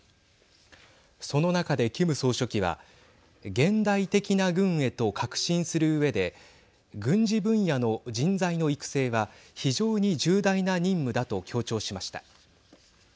その中でキム総書記は現代的な軍へと革新するうえで軍事分野の人材の育成は非常に重大な任務だと強調しました。